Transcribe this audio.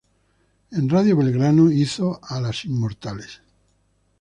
En Radio Belgrano hizo "Alas inmortales".